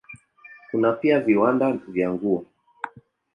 Kuna pia viwanda vya nguo.